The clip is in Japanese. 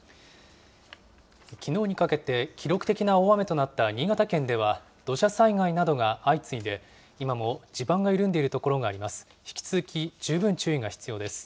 きのうにかけて、記録的な大雨となった新潟県では、土砂災害などが相次いで、今も地盤が緩んでいる所があります。